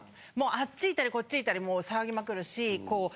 あっち行ったりこっち行ったりもう騒ぎまくるし。